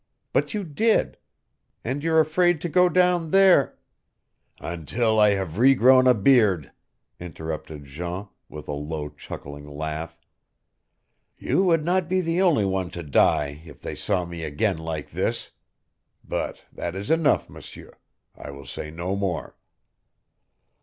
But you did. And you're afraid to go down there " "Until I have regrown a beard," interrupted Jean with a low chuckling laugh. "You would not be the only one to die if they saw me again like this. But that is enough, M'seur. I will say no more."